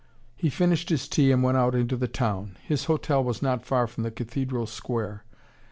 He finished his tea, and went out into the town. His hotel was not far from the cathedral square.